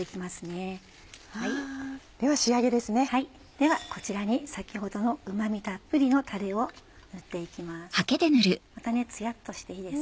ではこちらに先ほどのうま味たっぷりのタレを塗って行きます。